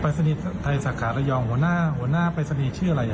อ๋อปรัศนีไทยสักขาระยองหัวหน้าปรัศนีชื่ออะไรครับ